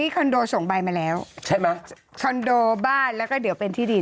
คอนโดส่งใบมาแล้วใช่ไหมคอนโดบ้านแล้วก็เดี๋ยวเป็นที่ดิน